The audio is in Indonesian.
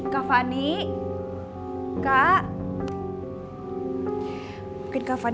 kami hebben penampilan